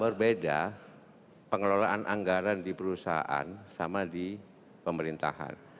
berbeda pengelolaan anggaran di perusahaan sama di pemerintahan